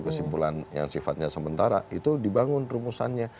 kesimpulan yang sifatnya sementara itu dibangun rumusannya